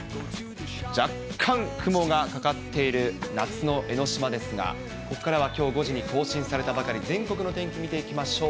若干雲がかかっている夏の江の島ですが、ここからはきょう５時に更新されたばかり、全国の天気見ていきましょう。